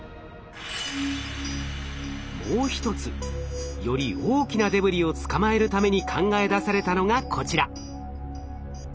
もう一つより大きなデブリを捕まえるために考え出されたのがこちら。